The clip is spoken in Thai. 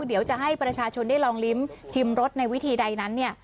เดี๋ยวจะให้ประชาชนได้ลองลิ้มชิมรสในวิธีใดนั้นเนี่ย